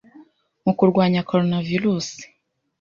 mu kurwanya coronavirus